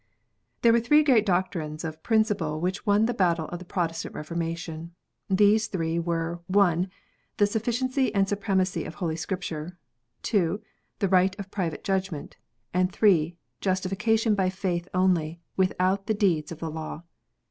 THERE were three great doctrines or principles which won the battle of the Protestant Reformation. These three were : (1) the sufficiency and supremacy of Holy Scripture, (2) the right of private judgment, and (3) justification by faith only, without the deeds of the law.